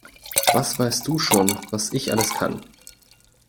Was weißt du schon, was ich alles kann?